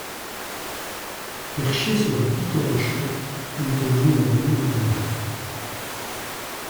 Perché sur un piton rocheux, il domine la vallée de Dana.